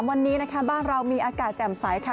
วันนี้นะคะบ้านเรามีอากาศแจ่มใสค่ะ